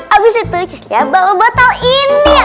abis itu cislyah bawa botol ini